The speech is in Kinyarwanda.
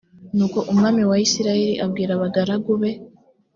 nuko umwami wa isirayeli abwira abagaragu be